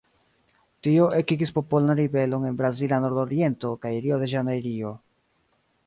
Tio ekigis popolan ribelon en Brazila Nordoriento kaj Rio-de-Ĵanejrio.